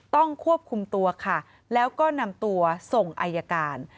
ต้องควบคุมตัวค่ะแล้วก็นำตัวส่งอายการ